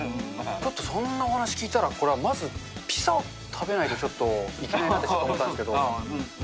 だってそんなお話聞いたら、これはまずピザ食べないと、ちょっといけないと思うんですけど。